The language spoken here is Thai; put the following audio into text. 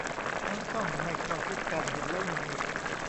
ช้อนส้อมไม่เข้าชุดกัน เห็นแล้วหงุดหงิด